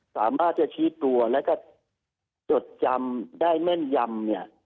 สามารถจะชี้ตัวแล้วก็จดจำได้แม่นยำเนี่ย